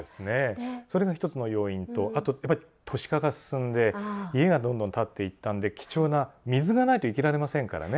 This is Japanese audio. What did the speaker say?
それが一つの要因とあとやっぱり都市化が進んで家がどんどん建っていったんで貴重な水がないと生きられませんからね。